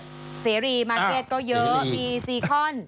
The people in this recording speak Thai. มีเซรีมาร์เฟรดก็เยอะมีซีคอน